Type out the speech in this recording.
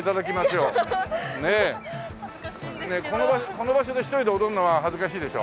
この場所で一人で踊るのは恥ずかしいでしょ？